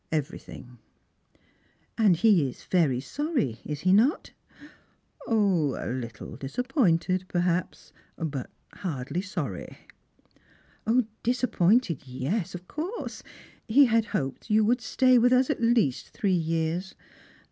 " Everything." " And he is very sorry, is he not ?"" A little disappointed, perhaps, but hardly sorry." " Disappointed, yes, of course. He had hoped you would stay with us at least three years.